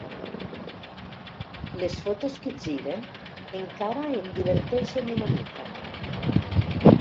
Les fotos que giren encara em diverteixen una mica.